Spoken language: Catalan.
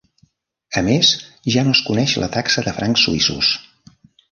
A més, ja no es coneix la taxa de francs suïssos.